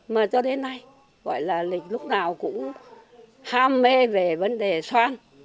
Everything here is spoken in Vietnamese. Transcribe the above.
mà cho đến nay gọi là lịch lúc nào cũng ham mê về vấn đề xoan